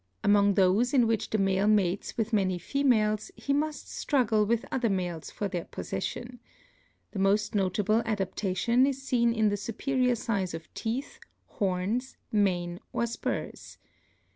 Among those in which the male mates with many females, he must struggle with other males for their possession. The most notable adaptation is seen in the superior size of teeth, horns, mane or spurs.